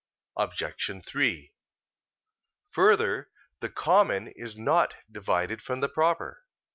Obj. 3: Further, the common is not divided from the proper.